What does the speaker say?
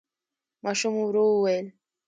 ماشوم ورو وويل: